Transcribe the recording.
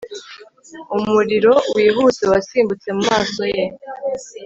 Umuriro wihuse wasimbutse mu maso ye